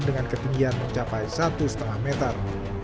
dengan ketinggian mencapai satu lima meter